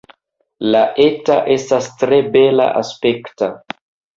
La eta estas tre bela-aspekta.